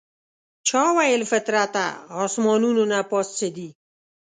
چا ویل فطرته اسمانونو نه پاس څه دي؟